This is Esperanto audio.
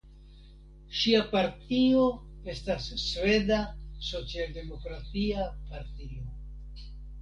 Ŝia partio estas Sveda socialdemokratia partio.